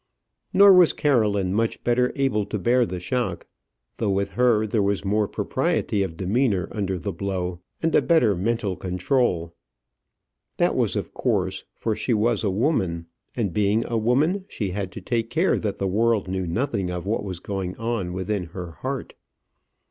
Nor was Caroline much better able to bear the shock; though with her there was more propriety of demeanour under the blow, and a better mental control. That was of course, for she was a woman and being a woman, she had to take care that the world knew nothing of what was going on within her heart.